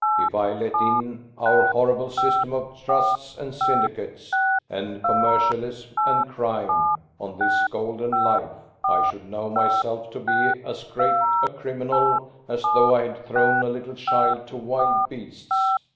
If I let in our horrible system of trusts and syndicates, and commercialism and crime, on this golden life, I should know myself to be as great a criminal as though I had thrown a little child to wild beasts."